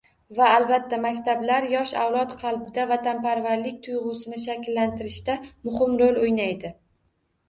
Va, albatta, maktablar yosh avlod qalbida vatanparvarlik tuyg'usini shakllantirishda muhim rol o'ynaydi